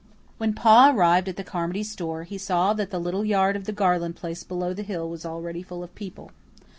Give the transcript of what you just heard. When Pa arrived at the Carmody store, he saw that the little yard of the Garland place below the hill was already full of people.